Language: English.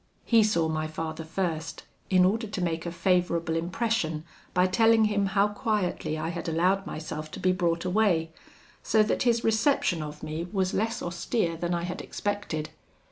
"He saw my father first, in order to make a favourable impression by telling him how quietly I had allowed myself to be brought away, so that his reception of me was less austere than I had expected.